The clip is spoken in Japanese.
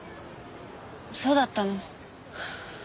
そうだったの。